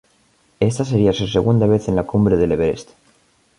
Esta sería su segunda vez en la cumbre del Everest.